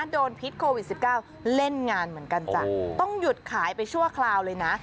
พิษโควิด๑๙เล่นงานเหมือนกันจ้ะต้องหยุดขายไปชั่วคราวเลยนะ